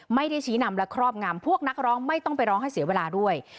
ไม่ได้ชี้นำและครอบงำพวกนักร้องไม่ต้องไปร้องให้เสียเวลาด้วย